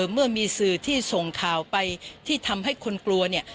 เมื่อมีสื่อที่ส่งข่าวไปที่ทำให้คนกลัวเนี่ย